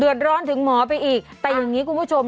ร้อนถึงหมอไปอีกแต่อย่างนี้คุณผู้ชม